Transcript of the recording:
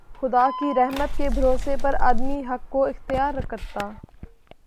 خدا کی رحمت کے بھروسے پر آدمی حق کو اختیار کرتا